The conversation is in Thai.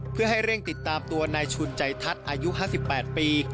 เพื่อให้เร่งติดตามตัวนายชุนใจทัศน์อายุ๕๘ปี